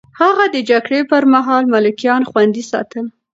هغه د جګړې پر مهال ملکيان خوندي ساتل.